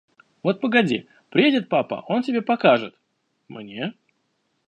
Вот погоди, приедет папа, он тебе покажет! – Мне?